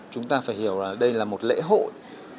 chúng ta phải hiểu là đây là một lễ hội